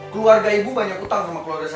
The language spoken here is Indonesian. keluarga ibu banyak utang sama keluarga saya